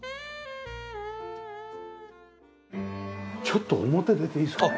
ちょっと表出ていいですか？